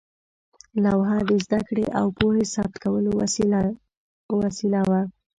لوحه د زده کړې او پوهې ثبت کولو وسیله وه.